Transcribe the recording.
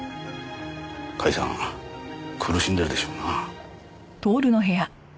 甲斐さん苦しんでるでしょうな。